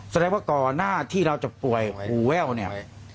แสดงว่าก่อนหน้าที่เราจะป่วยหูแว่วเนี่ย